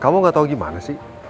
kamu gak tau gimana sih